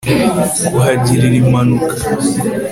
kuhagirira impanuka